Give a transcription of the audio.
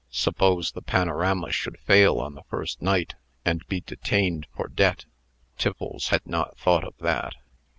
Suppose the panorama should fail on the first night, and be detained for debt! Tiffles had not thought of that.